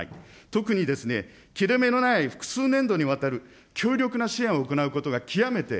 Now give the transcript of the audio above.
特に切れ目のない複数年度にわたる強力な支援を行うことが極めて